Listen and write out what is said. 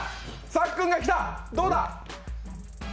さっくんが来た、どうだ？